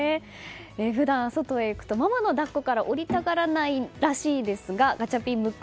普段、外へ行くとママの抱っこから下りたがらないらしいですがガチャピン・ムック